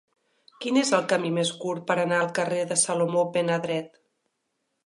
Quin és el camí més curt per anar al carrer de Salomó ben Adret